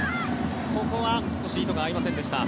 ここは少し意図が合いませんでした。